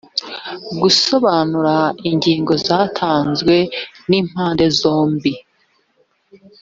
gusobanura ingingo zatanzwe n impande zombi